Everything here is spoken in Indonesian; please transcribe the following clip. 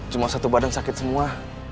cuma satu badan sakit semua